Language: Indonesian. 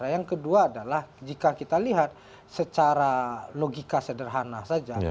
yang kedua adalah jika kita lihat secara logika sederhana saja